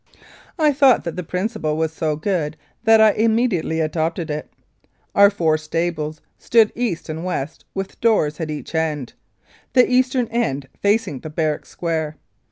I thought that the principle was so good that I immediately adopted it. Our four stables stood east and west with doors at each end, the eastern end facing the barrack square.